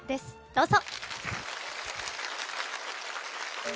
どうぞ。